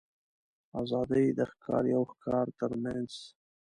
آزادي د ښکاري او ښکار تر منځ.